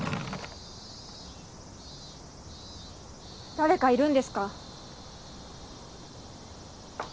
誰かいるんですか？